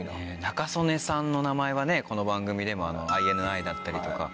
仲宗根さんの名前はねこの番組でもＩＮＩだったりとか。